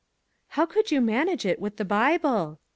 " How could you manage it with the Bible